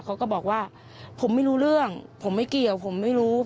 เขาก็บอกว่าผมไม่รู้เรื่องผมไม่เกี่ยวผมไม่รู้